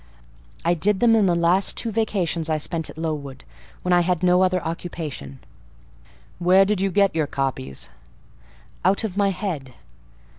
"I did them in the last two vacations I spent at Lowood, when I had no other occupation." "Where did you get your copies?" "Out of my head."